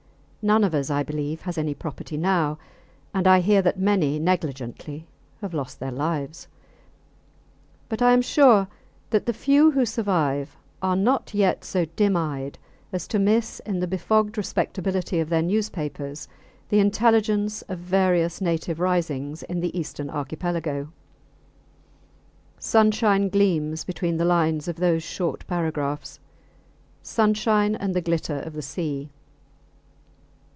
None of us, I believe, has any property now, and I hear that many, negligently, have lost their lives; but I am sure that the few who survive are not yet so dim eyed as to miss in the befogged respectability of their newspapers the intelligence of various native risings in the Eastern Archipelago. Sunshine gleams between the lines of those short paragraphs sunshine and the glitter of the sea.